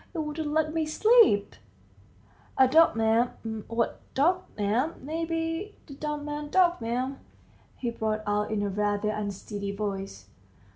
It wouldn't let me sleep!" "A dog, 'm ... what dog, 'm ... may be, the dumb man's dog, 'm," he brought out in a rather unsteady voice.